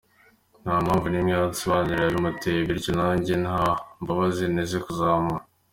Nta mpamvu n’imwe yansobanurira yabimuteye bityo nanjye nta mbabazi nteze kuzamuha.